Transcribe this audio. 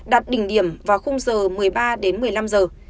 đạt đỉnh điểm vào khung giờ một mươi ba đến một mươi năm giờ